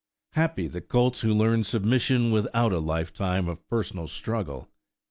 Happy the colts who learn submission without a lifetime of personal struggle!